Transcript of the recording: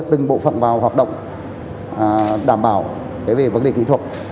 từng bộ phận vào hoạt động đảm bảo về vấn đề kỹ thuật